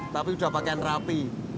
tapi udah pakaian rapi